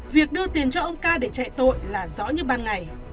việc đưa tiền cho ông ca để chạy tội là rõ như ban ngày